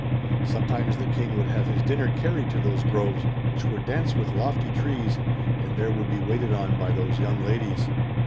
Sometimes the King would have his dinner carried to those groves, which were dense with lofty trees, and there would be waited on by those young ladies.